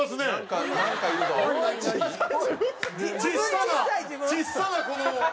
ちっさなちっさな。